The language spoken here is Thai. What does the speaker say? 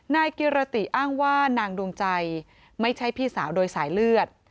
นายกิรติอ้างว่านางดวงใจไม่ใช่พี่สาวโดยสายเลือด